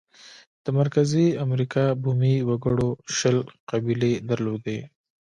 د مرکزي امریکا بومي وګړو شل قبیلې درلودې.